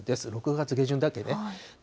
６月下旬だけで。